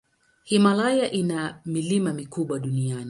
Himalaya ina milima mikubwa duniani.